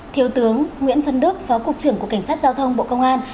thiếu tướng nguyễn xuân đức phó cục trưởng cục cảnh sát giao thông bộ công an